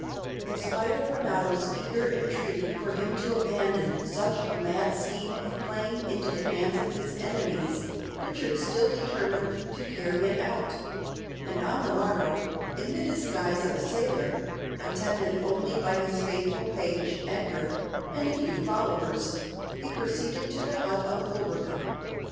In spite of Renato's eager entreaty for him to abandon such a mad scheme of playing into the hands of his enemies, Richard still determined to carry it out; and on the morrow, in the disguise of a sailor, attended only by his faithful page, Edgar, and a few followers, he proceeded to the hut of Ulrica.